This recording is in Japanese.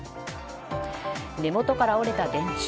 根元から折れた電柱。